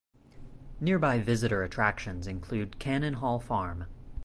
Nearby visitor attractions include Cannon Hall Farm.